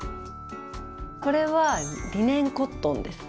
これはリネンコットンです。